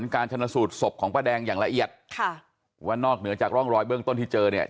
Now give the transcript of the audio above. การชนสูตรศพของป้าแดงอย่างละเอียดค่ะว่านอกเหนือจากร่องรอยเบื้องต้นที่เจอเนี่ย